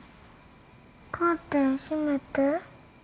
カーテン閉めて。